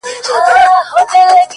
• زرکي هم کرار کرار هوښیارېدلې ,